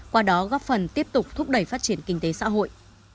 qua đó góp phần tiếp tục thúc đẩy phát triển kinh tế xã hội